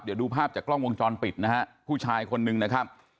เดี๋ยวดูภาพจากกล้องวงจรปิดนะฮะผู้ชายคนนึงนะครับ